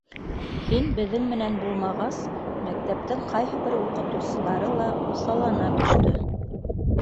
Һин беҙҙең менән булмағас, мәктәптең ҡайһы бер уҡытыусылары ла уҫаллана төштө.